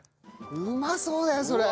うまそうだよそれ。